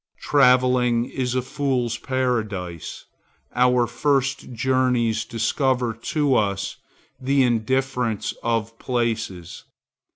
Travelling is a fool's paradise. Our first journeys discover to us the indifference of places.